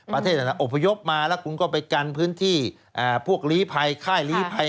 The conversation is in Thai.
ประเทศอันดับอพยพมาแล้วคุณก็ไปกันพื้นที่พวกหลีไผ่